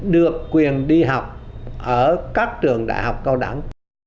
được quyền đi học ở các trường đại học cao đẳng